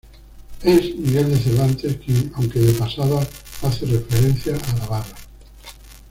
Es Miguel de Cervantes, quien, aunque de pasada, hace referencia a la barra.